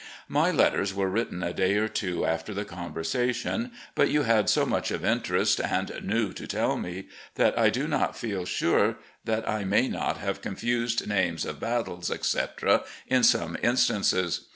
My letters were written a day or two after the conversation, but you had so much of interest and new to tell me that I do not feel sure that I may not have confused names of battles, etc., in some instances.